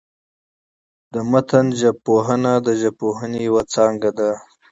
د متن ژبپوهنه، د ژبپوهني یوه څانګه ده.